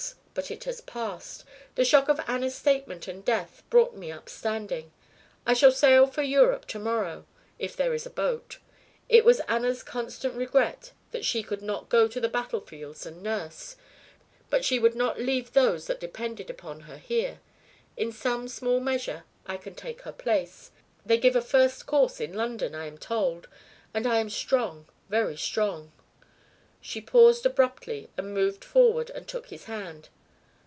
But it has passed. The shock of Anna's statement and death brought me up standing. I shall sail for Europe to morrow, if there is a boat. It was Anna's constant regret that she could not go to the battlefields and nurse, but she would not leave those that depended upon her here. In some small measure I can take her place. They give a first course in London I am told. And I am strong, very strong." She paused abruptly and moved forward and took his hand.